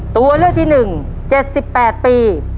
ตัวเลือกที่หนึ่งเจ็ดสิบแปดปี